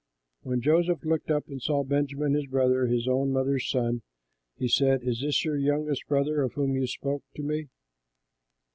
When Joseph looked up and saw Benjamin his brother, his own mother's son, he said, "Is this your youngest brother of whom you spoke to me?"